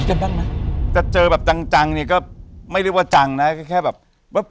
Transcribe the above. พวกเราเนี่ยก็จะถามว่า